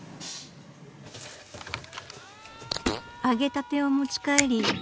［揚げたてを持ち帰り